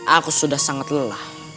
aku sudah sangat lelah